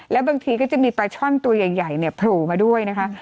แล้วบางทีก็จะมีปลาช่อนตัวใหญ่เนี่ยโผล่มาด้วยนะคะ